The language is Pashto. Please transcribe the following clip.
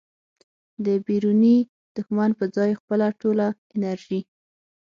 د بیروني دښمن په ځای خپله ټوله انرژي